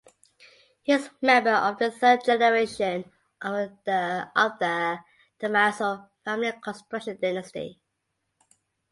He is member of the third generation of the Tomasso family construction dynasty.